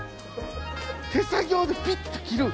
手作業でピッと切る。